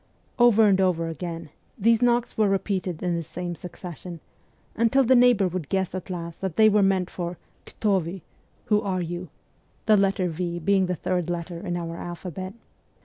Over and over again these knocks were repeated in the same succession, until the neighbour would guess at last that they were meant for ' Kto vy ?' (Who are you ?) the letter v being the third letter in our alphabet.